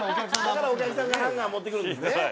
だからお客さんがハンガー持ってくるんですね。